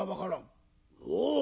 「おう。